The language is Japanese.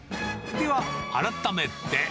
では改めて。